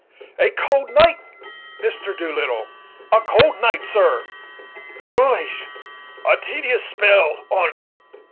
"A cold night, Mr. Doolittle, a cold night, sir." "Coolish; a tedious spell on't."